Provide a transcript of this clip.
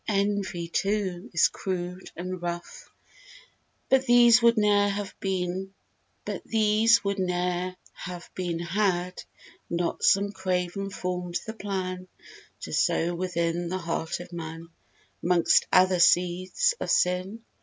"Envy," too, is crude and rough! But these would ne'er have been Had not some craven formed the plan To sow within the heart of man, 'Mongst other seeds of sin.